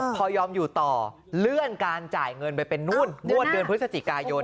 พอยอมอยู่ต่อเลื่อนการจ่ายเงินไปเป็นนู่นงวดเดือนพฤศจิกายน